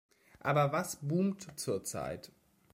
Aber was boomt zur Zeit?